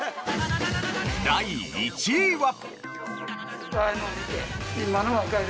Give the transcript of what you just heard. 第１位は。